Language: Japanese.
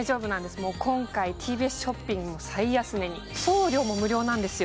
もう今回ＴＢＳショッピングも最安値に送料も無料なんですよ